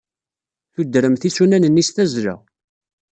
Tudremt isunan-nni s tazzla.